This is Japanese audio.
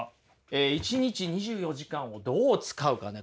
一日２４時間をどう使うかね。